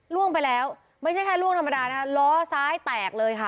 ล่วงไปแล้วไม่ใช่แค่ล่วงธรรมดานะคะล้อซ้ายแตกเลยค่ะ